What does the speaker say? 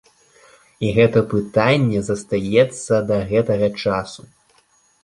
І гэта пытанне застаецца да гэтага часу.